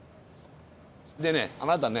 でねあなたね。